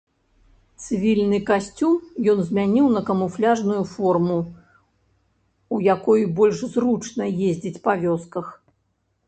Цывільны касцюм ён змяніў на камуфляжную форму, у якой больш зручна ездзіць па вёсках.